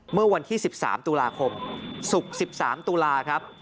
เมื่อวันที่๑๓ตุลาคมศุกร์๑๓ตุลาครับ